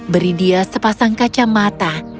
beri dia sepasang kacamata